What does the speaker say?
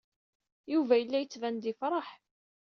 Yuba yella yettban-d yefṛeḥ.